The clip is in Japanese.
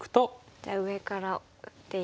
じゃあ上から打っていって。